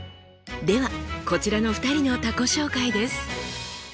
ではこちらの２人の他己紹介です。